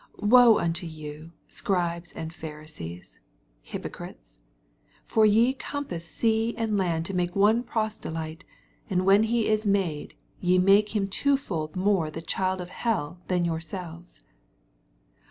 16 Woe unto you, Scribes and Pharisee0, hypocrites I for ye compass sea and land to make one proselyte, and when he is made, ye make him twofold more the chud of hell than yourselves.